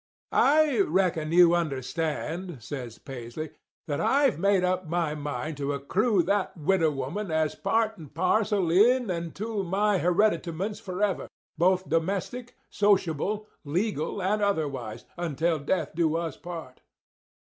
"'I reckon you understand,' says Paisley, 'that I've made up my mind to accrue that widow woman as part and parcel in and to my hereditaments forever, both domestic, sociable, legal, and otherwise, until death us do part.